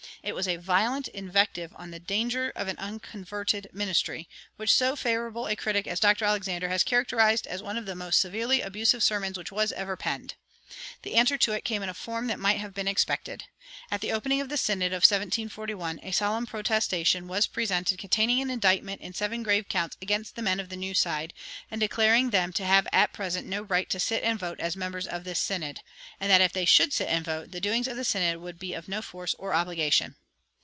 It was a violent invective on "The Danger of an Unconverted Ministry," which so favorable a critic as Dr. Alexander has characterized as "one of the most severely abusive sermons which was ever penned." The answer to it came in a form that might have been expected. At the opening of the synod of 1741 a solemn protestation was presented containing an indictment in seven grave counts against the men of the New Side, and declaring them to "have at present no right to sit and vote as members of this synod, and that if they should sit and vote, the doings of the synod would be of no force or obligation."